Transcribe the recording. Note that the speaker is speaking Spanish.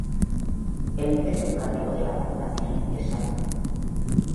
El nivel educativo de la población es alto.